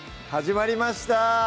始まりました